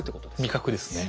味覚ですね。